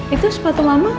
itu sepatu mama